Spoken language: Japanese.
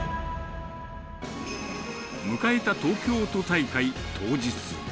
迎えた東京都大会当日。